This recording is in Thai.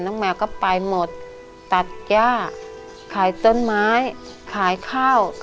แมวก็ไปหมดตัดย่าขายต้นไม้ขายข้าว